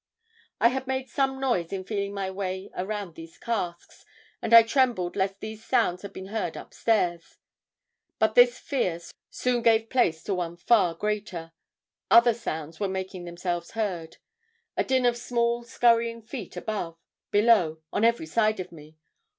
"I had made some noise in feeling my way around these casks, and I trembled lest these sounds had been heard upstairs! But this fear soon gave place to one far greater. Other sounds were making themselves heard. A din of small skurrying feet above, below, on every side of me!